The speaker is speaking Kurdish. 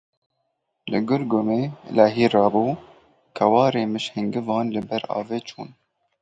Li Gurgumê lehî rabû, kewarên mêşhingivan li ber avê çûn.